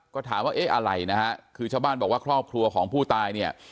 ก็ถามว่าเอ๊ะอะไรนะฮะคือชาวบ้านบอกว่าครอบครัวของผู้ตายเนี่ย